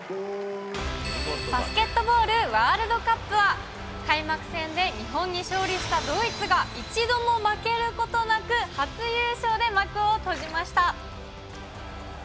バスケットボールワールドカップは、開幕戦で日本に勝利したドイツが、一度も負けることなく初優勝で、幕を閉じました。